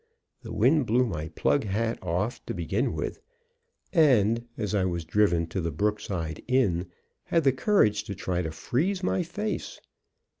The wind blew my plug hat off to begin with, and, as I was driven to the Brookside Inn, had the courage to try to freeze my face.